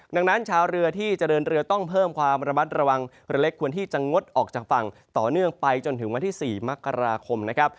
ดังนั้นชาวเรือที่จะเดินเรือต้องเพิ่มความระมัดระวังเรือเล็กควรที่จะงดออกจากฝั่งต่อเนื่องไปจนถึงวันที่๔มกราคมนะครับ